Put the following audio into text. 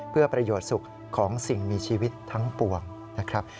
เพื่อประโยชน์สุขของสิ่งมีชีวิตทั้งปวงนะครับ